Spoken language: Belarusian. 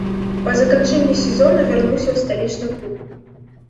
Па заканчэнні сезону вярнуўся ў сталічны клуб.